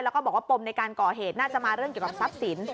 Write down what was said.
แล้วก็บอกว่าปมในการก่อเหตุน่าจะมาเรื่องเกี่ยวกับทรัพย์สิน